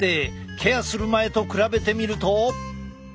ケアする前と比べてみると。